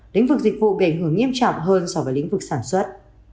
lĩnh vực dịch vụ bị ảnh hưởng nghiêm trọng hơn so với lĩnh vực sản xuất